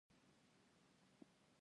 نرس د ناروغ پالنه کوي